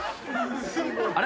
あれ？